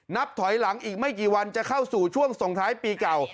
นับถอยหลังอีกไม่กี่วันจะเข้าสู่ช่วงส่งท้ายปีเก่า